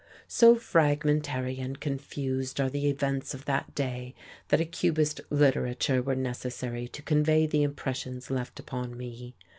So fragmentary and confused are the events of that day that a cubist literature were necessary to convey the impressions left upon me.